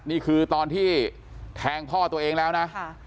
นี่คือตอนที่แทงพ่อตัวเองแล้วนะ